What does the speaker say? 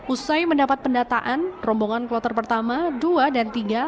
usai mendapat pendataan rombongan kloter pertama dua dan tiga